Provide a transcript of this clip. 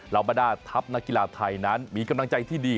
บรรดาทัพนักกีฬาไทยนั้นมีกำลังใจที่ดี